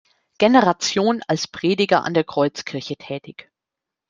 Generation als Prediger an der Kreuzkirche tätig.